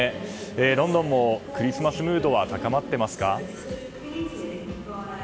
ロンドンもクリスマスムードは高まっていますか？